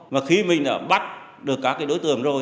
và khi mình đã bắt được các cái đối tượng rồi